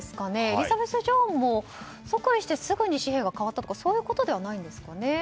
エリザベス女王も即位してすぐに紙幣が変わったということではないんですね。